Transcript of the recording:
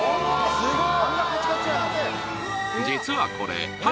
すごい！